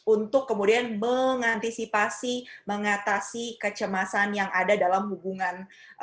untuk kemudian mengantisipasi mengatasi kecemasan yang ada dalam hubungan